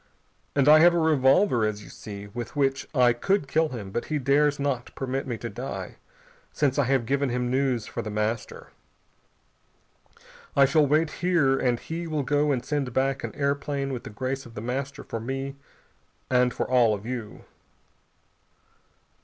And I have a revolver, as you see, with which I could kill him, but he dares not permit me to die, since I have given him news for The Master. I shall wait here and he will go and send back an airplane with the grace of The Master for me and for all of you."